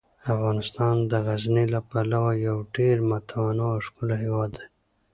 افغانستان د غزني له پلوه یو ډیر متنوع او ښکلی هیواد دی.